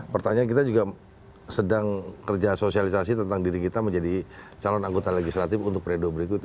pertanyaan kita juga sedang kerja sosialisasi tentang diri kita menjadi calon anggota legislatif untuk periode berikutnya